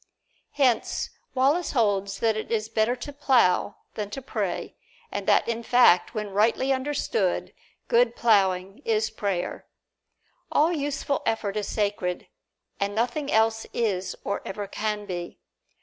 Hence, Wallace holds that it is better to plow than to pray, and that in fact, when rightly understood, good plowing is prayer. All useful effort is sacred, and nothing else is or ever can be.